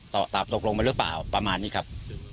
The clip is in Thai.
ตามตกลงไปหรือเปล่าประมาณนี้ครับ